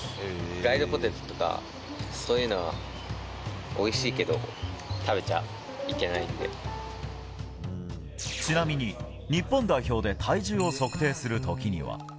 フライドポテトとか、そういうのはおいしいけど、食べちゃいけなちなみに、日本代表で体重を測定するときには。